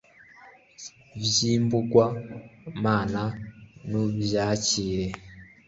vyimbugwa mana nuvyakire